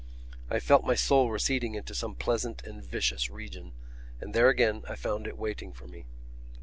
I felt my soul receding into some pleasant and vicious region; and there again I found it waiting for me.